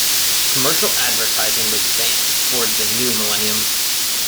Commercial advertising was banned towards the new millennium.